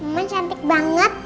mama cantik banget